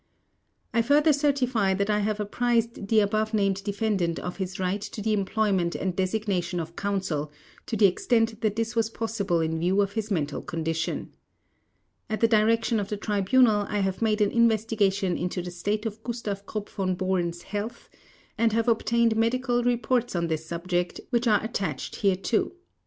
I further certify that I have apprised the above named defendant of his right to the employment and designation of counsel to the extent that this was possible in view of his mental condition. At the direction of the Tribunal I have made an investigation into the state of Gustav Krupp von Bohlen's health and have obtained medical reports on this subject which are attached hereto.